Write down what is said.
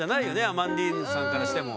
アマンディーヌさんからしても。